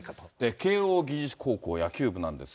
慶応義塾高校野球部なんです